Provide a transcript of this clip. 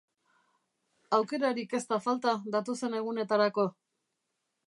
Aukerarik ez da falta datozen egunetarako!